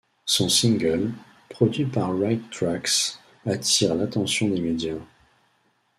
Son single ', produit par WrighTrax, attire l'attention des médias.